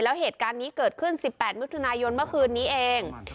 แล้วเหตุการณ์นี้เกิดขึ้น๑๘มิถุนายนเมื่อคืนนี้เอง